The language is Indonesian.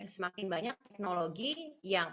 semakin banyak teknologi yang